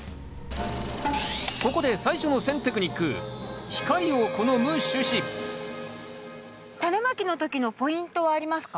ここで最初の選テクニックタネまきの時のポイントはありますか？